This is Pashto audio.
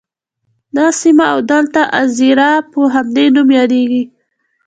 دا سیمه او دلته اَذيره په همدې نوم یادیږي.